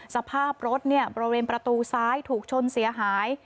สภาพรถบริเวณประตูซ้ายถูกชนเสียหาย